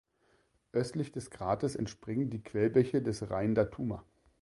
Östlich des Grates entspringen die Quellbäche des Rein da Tuma.